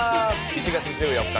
７月１４日